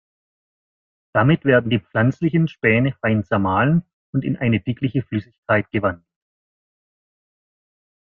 Damit werden die pflanzlichen Späne fein zermahlen und in eine dickliche Flüssigkeit gewandelt.